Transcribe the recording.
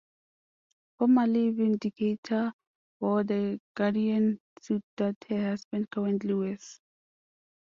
Formerly, Vindicator wore the Guardian suit that her husband currently wears.